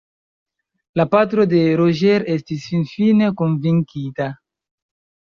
La patro de Rogers estis finfine konvinkita.